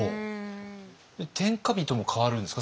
天下人も変わるんですか？